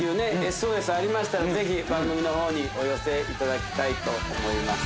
ＳＯＳありましたらぜひ番組のほうにお寄せいただきたいと思います。